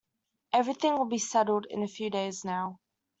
Everything will be settled in a few days now.